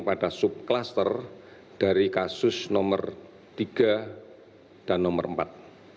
pada sub cluster dari kasus nomor tiga dan nomor empat